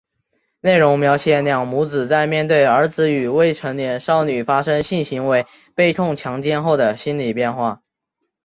内容描写两母子在面对儿子与未成年少女发生性行为被控强奸后的心理变化。